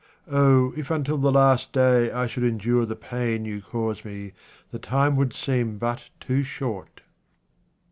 Oh, if until the last day I should endure the pain you cause me, the time would seem but too short.